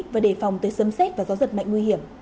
và đề phòng tới sấm xét và gió giật mạnh nguy hiểm